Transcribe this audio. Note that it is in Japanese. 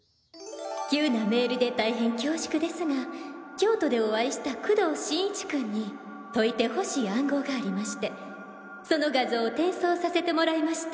急なメールで大変恐縮ですが京都でお会いした工藤新一君に解いてほしい暗号がありましてその画像を転送させてもらいました。